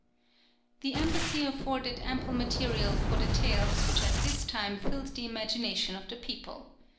The embassy afforded ample material for the tales which at this time filled the imagination of the people.